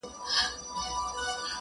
شکر دی گراني چي زما له خاندانه نه يې.